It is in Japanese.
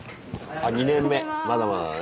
あ２年目まだまだだね。